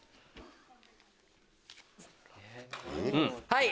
はい！